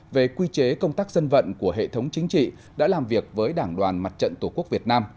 về quy chế công tác dân vận của hệ thống chính trị đã làm việc với đảng đoàn mặt trận tổ quốc việt nam